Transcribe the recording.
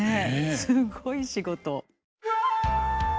すごい仕事。